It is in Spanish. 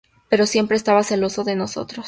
Pero siempre estaba celoso de nosotros.